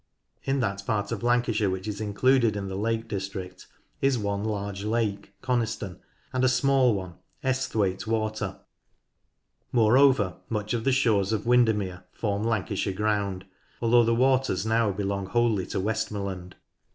In that part of Lancashire which is included in the Lake District is one large lake, Coniston, and a small one, Esthwaite Water ; moreover, much of the shores of Win dermere form Lancashire ground, though the waters now Preston Docks belong wholly to Westmorland.